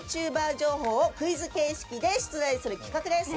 情報をクイズ形式で出題する企画です。